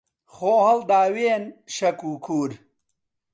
خۆ هەڵداوێن شەک و کوور